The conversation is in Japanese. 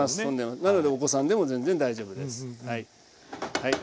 なのでお子さんでも全然大丈夫ですはい。